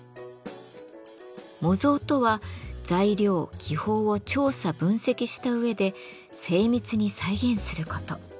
模造とは材料・技法を調査分析した上で精密に再現すること。